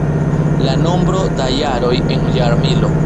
La nombro da jaroj en jarmilo.